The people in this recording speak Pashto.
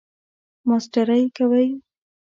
ماسټری کوئ؟